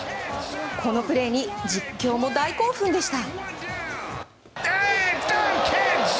このプレーに実況も大興奮でした。